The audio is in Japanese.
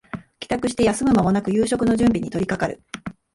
帰宅して休む間もなく夕食の準備に取りかかる